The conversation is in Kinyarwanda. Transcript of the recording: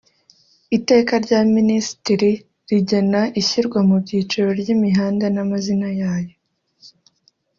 Iteka rya Minisitiri rigena ishyirwa mu byiciro ry’imihanda n’amazina yayo;